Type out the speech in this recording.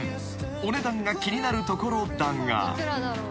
［お値段が気になるところだが］